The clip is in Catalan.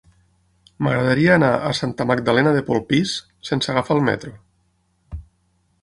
M'agradaria anar a Santa Magdalena de Polpís sense agafar el metro.